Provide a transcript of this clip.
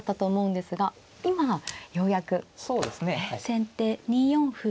先手２四歩。